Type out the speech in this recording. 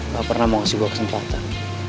gak pernah mau ngasih gue kesempatan